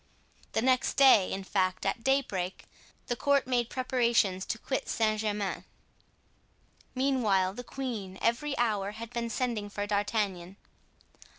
The next day, in fact, at daybreak, the court made preparations to quit Saint Germain. Meanwhile, the queen every hour had been sending for D'Artagnan.